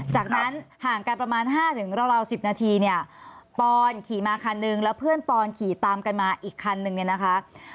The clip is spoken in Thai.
จากนั้นห่างกันประมาณ๕ราว๑๐นาทีเนี่ยปอนขี่มาคันนึงแล้วเพื่อนปอนขี่ตามกันมาอีกคันนึงเนี่ยนะคะ